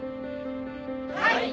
はい！